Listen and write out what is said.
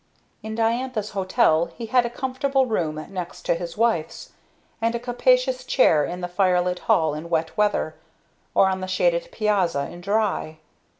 In Diantha's hotel he had a comfortable room next his wife's, and a capacious chair in the firelit hall in wet weather, or on the shaded piazza in dry.